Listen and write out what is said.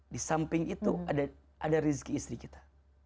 di samping itu ada rizki istri kita